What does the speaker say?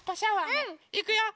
うん！いくよ！